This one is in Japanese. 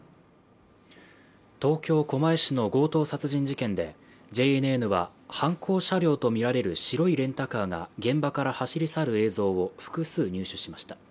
東京・狛江市の強盗殺人事件でＪＮＮは犯行車両とみられる白いレンタカーが現場から走り去る映像を複数入手しました。